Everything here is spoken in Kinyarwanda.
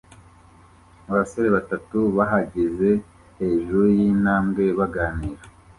Abasore batatu bahagaze hejuru yintambwe baganira